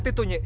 lihat itu nyi